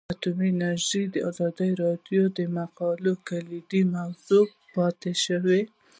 اټومي انرژي د ازادي راډیو د مقالو کلیدي موضوع پاتې شوی.